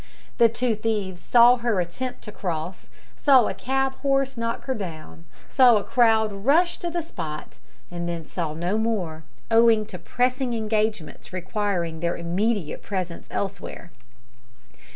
The two thieves saw her attempt to cross, saw a cab horse knock her down, saw a crowd rush to the spot and then saw no more, owing to pressing engagements requiring their immediate presence elsewhere.